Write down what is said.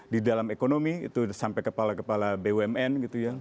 di dalam ekonomi itu sampai kepala kepala bumn gitu ya